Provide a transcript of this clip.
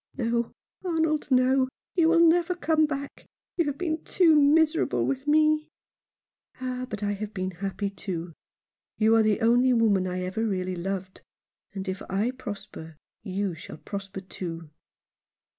"No, Arnold, no — you will never come back. You have been too miserable with me." "Ah, but I have been happy, too. You are the only woman I ever really loved ; and if I prosper you shall prosper too."